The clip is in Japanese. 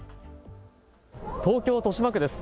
東京豊島区です。